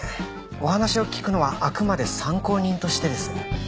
お話を聞くのはあくまで参考人としてです。